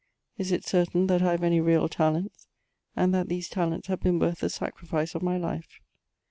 Is it certain that I have any real talents, and that these talents have been worth the sacrifice of my life